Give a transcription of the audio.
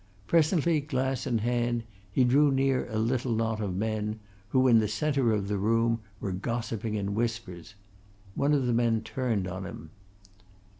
Presently, glass in hand, he drew near a little knot of men, who, in the centre of the room, were gossiping in whispers. One of the men turned on him.